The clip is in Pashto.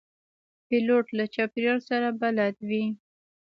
پیلوټ له چاپېریال سره بلد وي.